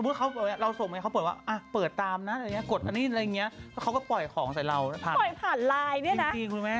ทุกวันจะสั่งของออนไลน์ต้องเช็คดีทุกวันจะสั่งของออนไลน์ต้องเช็คดี